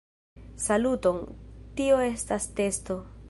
Saluton, tio estas testo.